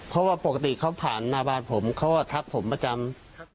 เพราะว่าปกติเขาผ่านหน้าบ้านผมเขาก็ทักผมประจำ